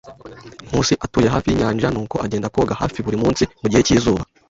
Nkusi atuye hafi yinyanja, nuko agenda koga hafi buri munsi mugihe cyizuba.